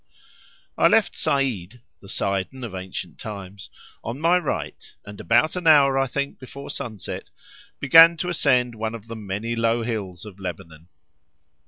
I left Saide (the Sidon of ancient times) on my right, and about an hour, I think, before sunset began to ascend one of the many low hills of Lebanon.